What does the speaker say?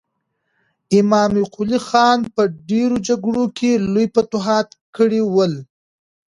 امام قلي خان په ډېرو جګړو کې لوی فتوحات کړي ول.